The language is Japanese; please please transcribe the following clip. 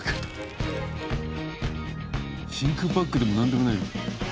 真空パックでもなんでもない。